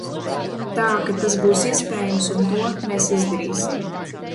Tā ka tas būs iespējams, un to mēs izdarīsim.